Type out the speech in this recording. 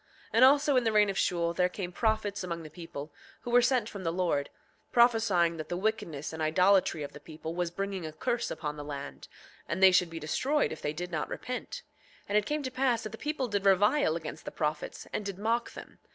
7:23 And also in the reign of Shule there came prophets among the people, who were sent from the Lord, prophesying that the wickedness and idolatry of the people was bringing a curse upon the land, and they should be destroyed if they did not repent. 7:24 And it came to pass that the people did revile against the prophets, and did mock them.